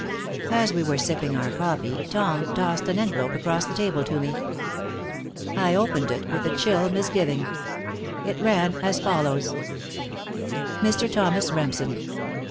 As we were sipping our coffee Tom tossed an envelope across the table to me. I opened it with a chill misgiving. It ran as follows: MR. THOMAS REMSEN.